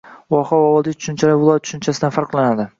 Voha va vodiy tushunchasi viloyat tushunchasidan farqlanadi